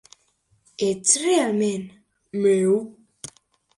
Ets realment meu?